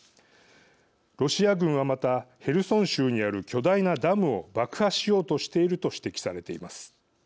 ロシア軍は、またヘルソン州にある巨大なダムを爆破しようとしていると指摘されています。